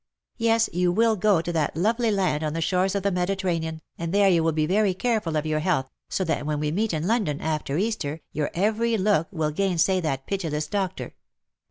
'^" Yes, you will go to that lovely land on the shores of the Mediterranean, and there you will be very careful of your health, so that when we meet in London, after Easter, your every look will gainsay that pitiless doctor.